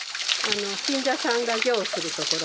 信者さんが行をするところ。